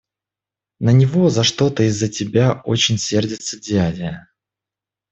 На него за что-то из-за тебя очень сердит дядя.